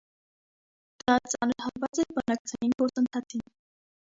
Դա ծանր հարված էր բանակցային գործընթացին։